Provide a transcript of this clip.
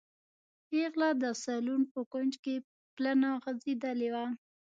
پېغله د سالون په کوچ کې پلنه غځېدلې وه.